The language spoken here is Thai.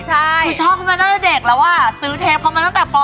คุณชอบเขามาตั้งแต่เด็กแล้วซื้อเท็ปมาตั้งแต่ป๒